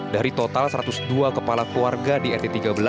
dari total satu ratus dua kepala keluarga di rt tiga belas